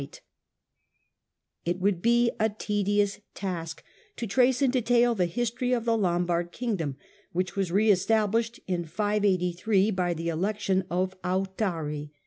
Authari, It would be a tedious task to trace in detail the history of the Lombard kingdom, which was re estab lished in 583 by the election of Authari.